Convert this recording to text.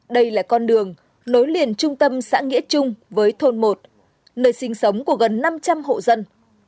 đây là con đường nối liền trung tâm xã nghĩa trung với thôn một nơi sinh sống của gần năm trăm linh hộ dân